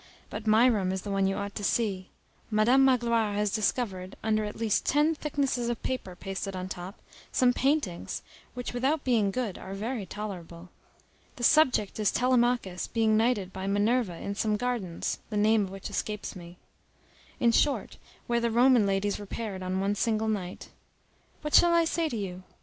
But my room is the one you ought to see. Madam Magloire has discovered, under at least ten thicknesses of paper pasted on top, some paintings, which without being good are very tolerable. The subject is Telemachus being knighted by Minerva in some gardens, the name of which escapes me. In short, where the Roman ladies repaired on one single night. What shall I say to you?